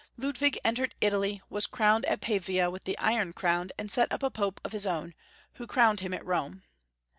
Ludwig entered Italy, was crowned at Pavia with the iron crown, and set up a Pope of his own, who crowned him at Rome.